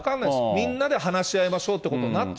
みんなで話し合いましょうってこ